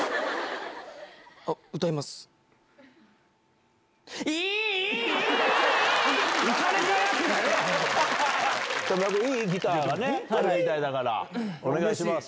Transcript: あっ、歌います。